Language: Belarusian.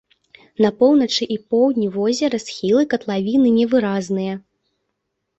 На поўначы і поўдні возера схілы катлавіны невыразныя.